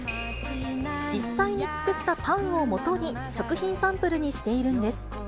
実際に作ったパンをもとに食品サンプルにしているんです。